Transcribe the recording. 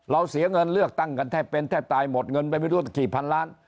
เสียเงินเลือกตั้งกันแทบเป็นแทบตายหมดเงินไปไม่รู้กี่พันล้าน